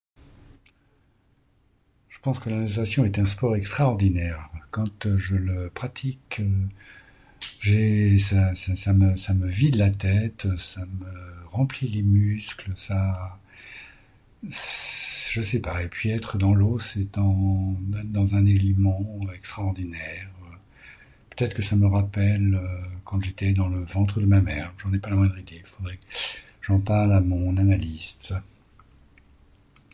Je pense que la natation est un sport extraordinaire. Quand je le pratique j'ai... ça me vide la tête, ça me rempli les muscles, ça... je sais pas. Et puis être dans l'eau, c'est dans un élément extraordinaire. Peut-être que ça me rappelle quand j'étais dans le ventre de ma mère. J'en ai pas la moindre idée, faudrait que j'en parle à mon analyste.